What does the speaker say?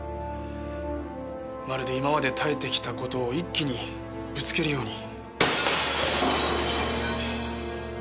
まるで今まで耐えてきた事を一気にぶつけるように。